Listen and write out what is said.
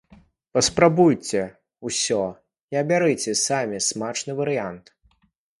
Паспрабуйце усё і абярыце самы смачны варыянт!